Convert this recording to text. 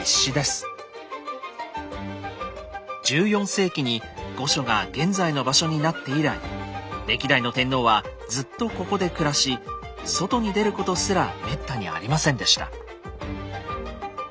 １４世紀に御所が現在の場所になって以来歴代の天皇はずっとここで暮らし外に出ることすらめったにありませんでした。